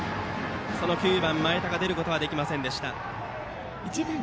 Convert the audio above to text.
その９番、前田が出ることはできませんでした。